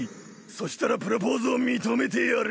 そしたらプロポーズを認めてやる！